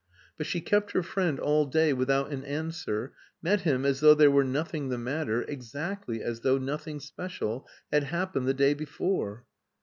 But she kept her friend all day without an answer, met him as though there were nothing the matter, exactly as though nothing special had happened the day before.